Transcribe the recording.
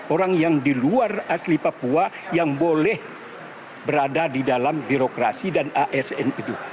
orang yang di luar asli papua yang boleh berada di dalam birokrasi dan asn itu